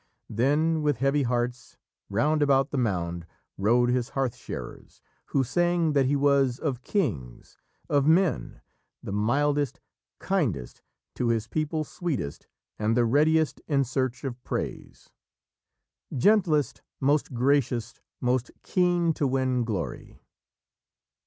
Then with heavy hearts, "round about the mound rode his hearth sharers, who sang that he was of kings, of men, the mildest, kindest, to his people sweetest, and the readiest in search of praise": "Gentlest, most gracious, most keen to win glory."